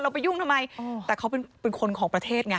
ไปยุ่งทำไมแต่เขาเป็นคนของประเทศไง